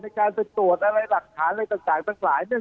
ในการไปตรวจอะไรหลักฐานอะไรต่างทั้งหลายเนี่ย